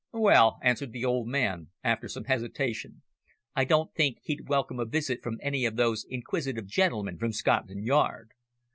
"Well," answered the old man, after some hesitation, "I don't think he'd welcome a visit from any of those inquisitive gentlemen from Scotland Yard.